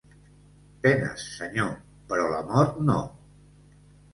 Penes, Senyor, però la mort no.